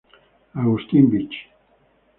Augustine Beach.